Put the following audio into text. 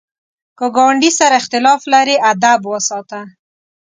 که ګاونډي سره اختلاف لرې، ادب وساته